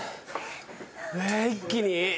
え一気に？